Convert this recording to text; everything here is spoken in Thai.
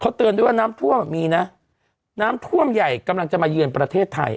เตือนด้วยว่าน้ำท่วมอ่ะมีนะน้ำท่วมใหญ่กำลังจะมาเยือนประเทศไทย